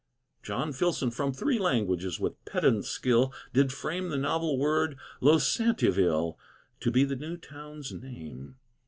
John Filson from three languages With pedant skill did frame The novel word Losantiville To be the new town's name.